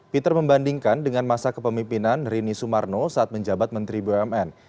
peter membandingkan dengan masa kepemimpinan rini sumarno saat menjabat menteri bumn